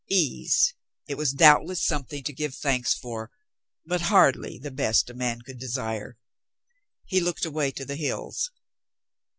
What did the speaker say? Ease — it was doubtless something to give thanks for, but hardly the best a man could desire. He looked away to the hills.